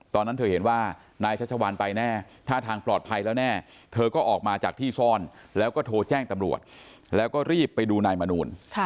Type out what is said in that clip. ตอนนั้นเธอเห็นว่านายชัชวานไปแน่ท่าทางปลอดภัยแล้วแน่เธอก็ออกมาจากที่ซ่อนแล้วก็โทรแจ้งตำรวจแล้วก็รีบไปดูนายมนูล